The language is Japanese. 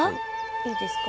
いいですか？